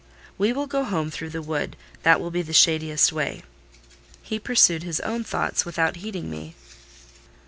"We will go home through the wood: that will be the shadiest way." He pursued his own thoughts without heeding me.